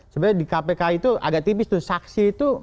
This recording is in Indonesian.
sebenarnya di kpk itu agak tipis tuh saksi itu